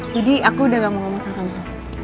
jadi aku udah gak mau ngomong sama kamu